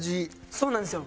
そうなんですよ。